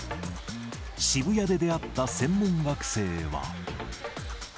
渋谷で出会った専門学生は。